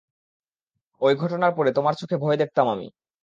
ঐ ঘটনার পরে তোমার চোখে ভয় দেখতাম আমি।